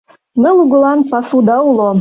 Ныл угылан пасуда уло